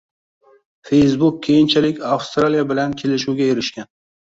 Facebook keyinchalik, Avstraliya bilan kelishuvga erishgan